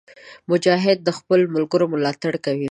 مجاهد د خپلو ملګرو ملاتړ کوي.